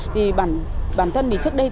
thì bản thân thì trước đây